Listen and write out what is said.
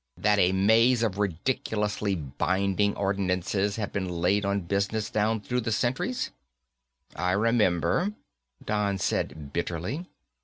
That a maze of ridiculously binding ordinances have been laid on business down through the centuries?" "I remember," Don said bitterly.